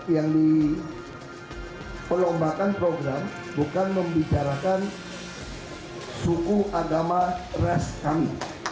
yang diperlombakan program bukan membicarakan suku agama ras kami